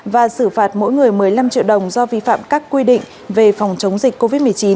và xử phạt mỗi người một mươi năm triệu đồng do vi phạm các quy định về phòng chống dịch covid một mươi chín